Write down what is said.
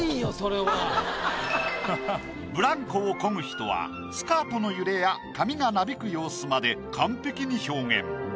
ブランコをこぐ人はスカートの揺れや髪がなびく様子まで完璧に表現。